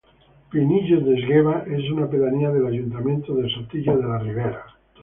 Pinillos de Esgueva es una pedanía del Ayuntamiento de Sotillo de la Ribera.